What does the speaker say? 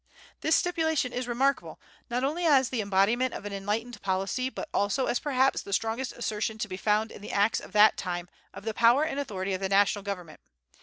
This stipulation is remarkable, not only as the embodiment of an enlightened policy, but also as perhaps the strongest assertion to be found in the acts of that time of the power and authority of the national government.